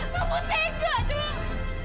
kamu tega dong